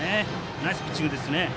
ナイスピッチングです。